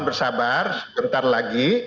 bersabar sebentar lagi